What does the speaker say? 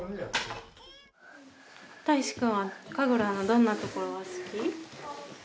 たいしくんは神楽のどんなところが好き？